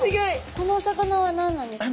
このお魚は何なんですか？